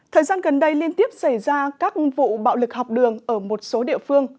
thời gian gần đây liên tiếp xảy ra các vụ bạo lực học đường ở một số địa phương